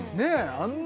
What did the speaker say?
あんな